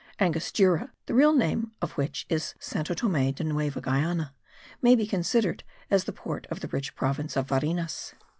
Angostura, the real name of which is Santo Tome de Nueva Guiana, may be considered as the port of the rich province of Varinas.